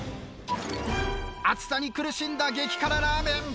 熱さに苦しんだ激辛ラーメン。